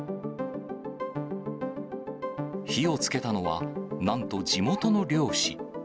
火をつけたのは、なんと地元の漁師。